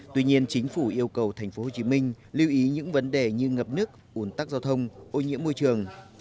tuy nhiên chính phủ yêu cầu tp hcm lưu ý những vấn đề như ngập nước ủn tắc giao thông ô nhiễm môi trường